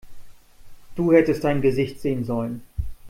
Du hättest dein Gesicht sehen sollen!